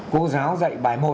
cô giáo dạy bài một